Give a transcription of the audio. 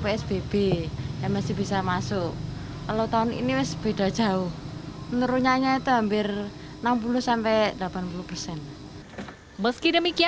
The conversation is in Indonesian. psbb yang masih bisa masuk kalau tahun ini sepeda jauh menurunnya itu hampir enam puluh sampai delapan puluh persen meski demikian